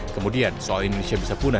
kemudian soal indonesia bisa punah